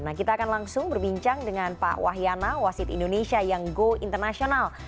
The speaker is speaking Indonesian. nah kita akan langsung berbincang dengan pak wahyana wasit indonesia yang go internasional